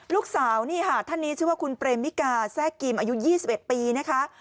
ลูกสาวนี่ค่ะท่านนี้ชื่อว่าคุณเปรมมิกาแทรกกิมอายุ๒๑ปีนะคะ